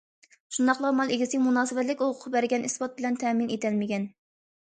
شۇنداقلا مال ئىگىسى مۇناسىۋەتلىك ھوقۇق بەرگەن ئىسپات بىلەن تەمىن ئېتەلمىگەن.